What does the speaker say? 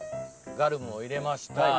ガルムを入れました。